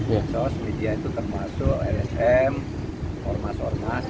medsos media itu termasuk lsm ormas ormas